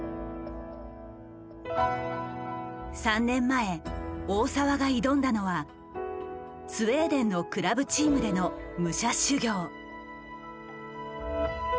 ３年前大澤が挑んだのはスウェーデンのクラブチームでの武者修行。